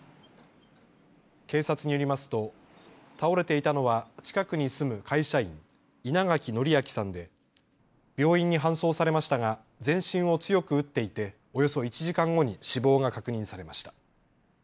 警察によりますと倒れていたのは近くに住む会社員、稲垣徳昭さんで病院に搬送されましたが全身を強く打っていておよそ１時間後に死亡が確認されました。